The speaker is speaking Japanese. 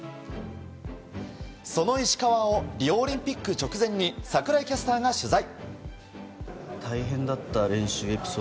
その石川をリオオリンピック直前に櫻井キャスターが取材。